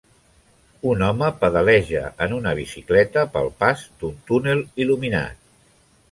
Un home pedaleja en una bicicleta pel pas d'un túnel il·luminat.